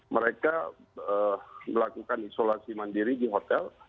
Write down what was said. mereka melakukan isolasi mandiri di hotel